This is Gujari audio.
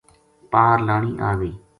پار لانی آ گئی